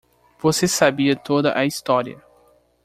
Você sabia toda a história.